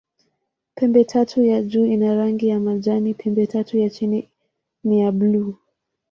Pembetatu ya juu ina rangi ya majani, pembetatu ya chini ni ya buluu.